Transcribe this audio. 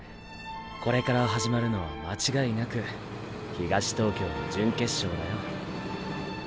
これから始まるのは間違いなく東東京の準決勝だよ。